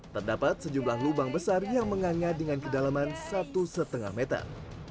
terdapat sejumlah lubang besar yang menganga dengan kedalaman satu lima meter